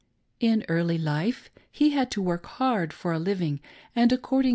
In early life he had to work hard for a living, and according to ^SSJ'^'^^t.